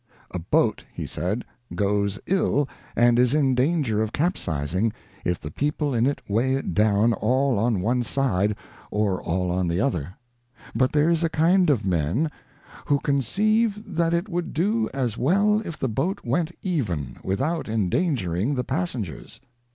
A boat, he said, goes ill, and is in danger of capsizing, if the people in it weigh it down all on one side, or all on the other. But there is a kind of men ' who conceive that it woiild do as well if the boat went even, without endangering the passengers